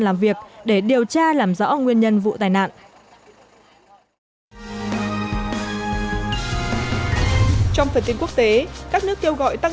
làm việc để điều tra làm rõ nguyên nhân vụ tai nạn trong phần tin quốc tế các nước kêu gọi tăng